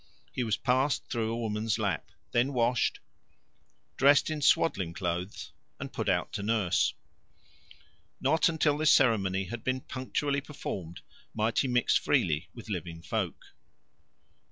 He was passed through a woman's lap, then washed, dressed in swaddling clothes, and put out to nurse. Not until this ceremony had been punctually performed might he mix freely with living folk.